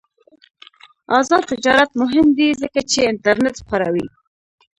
آزاد تجارت مهم دی ځکه چې انټرنیټ خپروي.